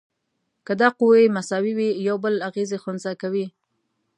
که دا قوې مساوي وي یو بل اغیزې خنثی کوي.